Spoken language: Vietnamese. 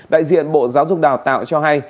đại diện bộ giáo dục đào tạo cho hay